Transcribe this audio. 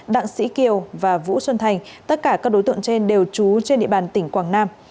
đặng sĩ kiều và vũ xuân thành tất cả các đối tượng trên đều trú trên địa bàn tỉnh quảng nam